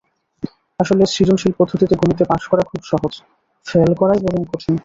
আসলে সৃজনশীল পদ্ধতিতে গণিতে পাস করা খুব সহজ, ফেল করাই বরং কঠিন।